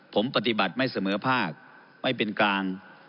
ผมปฏิบัติไม่เสมอภาคไม่เป็นกลาง